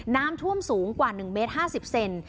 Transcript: น้ำท่วมสูงกว่าหนึ่งเมตรห้าสิบเซน